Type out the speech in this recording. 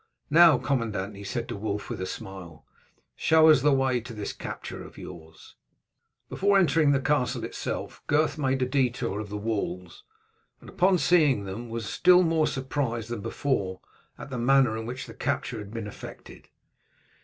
Now, commandant," he said to Wulf with a smile, "show us the way into this capture of yours." Before entering the castle itself Gurth made a detour of the walls, and upon seeing them was still more surprised than before at the manner in which the capture had been effected.